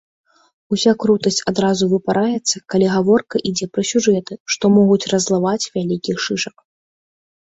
Уся крутасць адразу выпараецца, калі гаворка ідзе пра сюжэты, што могуць раззлаваць вялікіх шышак.